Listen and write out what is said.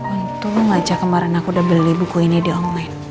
untuk mengajak kemarin aku udah beli buku ini di online